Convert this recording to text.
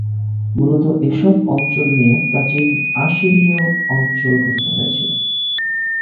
মূলত এসব অঞ্চল নিয়ে প্রাচীন আসিরীয় অঞ্চল গঠিত হয়েছিলো।